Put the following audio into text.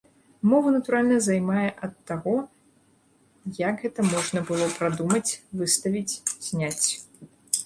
Мову, натуральна, займае ад таго, як гэта можна было прадумаць, выставіць, зняць.